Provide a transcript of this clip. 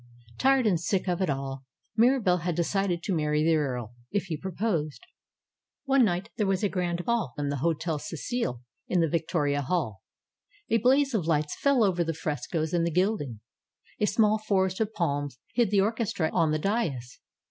Tired and sick of it all, Mirahelle had decided to marry the earl, if he proposed. One night there was a grand ball in the Hotel Cecil, in the Victoria Hall. A blaze of lights fell over the frescoes and the gilding. A small forest of palms hid the orchestra on the dais.